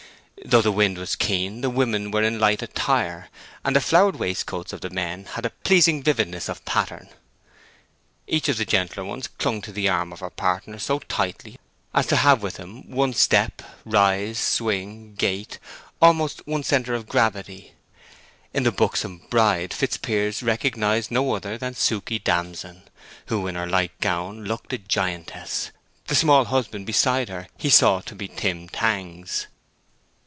Though the wind was keen the women were in light attire, and the flowered waistcoats of the men had a pleasing vividness of pattern. Each of the gentler ones clung to the arm of her partner so tightly as to have with him one step, rise, swing, gait, almost one centre of gravity. In the buxom bride Fitzpiers recognized no other than Suke Damson, who in her light gown looked a giantess; the small husband beside her he saw to be Tim Tangs.